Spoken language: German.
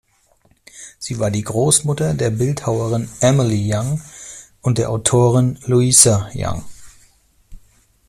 Sie war die Großmutter der Bildhauerin Emily Young und der Autorin Louisa Young.